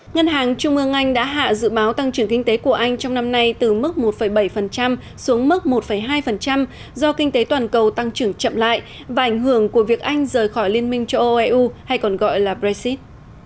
ngân hàng trung ương anh đã hạ dự báo tăng trưởng kinh tế của anh trong năm nay từ mức một bảy xuống mức một hai do kinh tế toàn cầu tăng trưởng chậm lại và ảnh hưởng của việc anh rời khỏi liên minh châu âu eu hay còn gọi là brexit